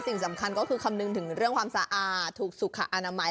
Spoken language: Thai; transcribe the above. สิ่งสำคัญก็คือคำนึงถึงเรื่องความสะอาดถูกสุขอนามัย